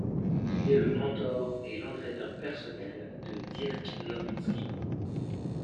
Il est le mentor et l'entraîneur personnel de Dirk Nowitzki.